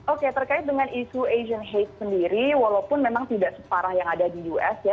oke terkait dengan isu asian hate sendiri walaupun memang tidak separah yang ada di us ya